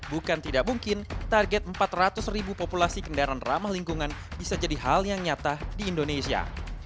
bukan tidak mungkin target empat ratus ribu populasi kendaraan ramah lingkungan bisa jadi hal yang nyata di indonesia